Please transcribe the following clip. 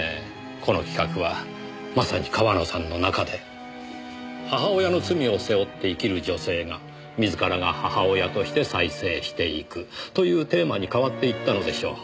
この企画はまさに川野さんの中で母親の罪を背負って生きる女性が自らが母親として再生していくというテーマに変わっていったのでしょう。